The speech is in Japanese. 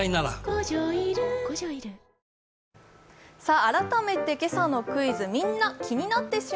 改めて今朝のクイズです。